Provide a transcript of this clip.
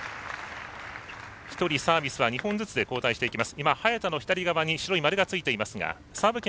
１人、サービスは２本ずつで交代しています。